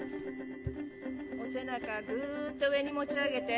お背中ぐっと上に持ち上げて。